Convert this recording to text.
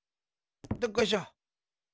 どっこいしょ！